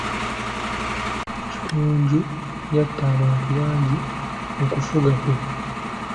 Jjunju yatta abantu bangi mu kufuga kwe.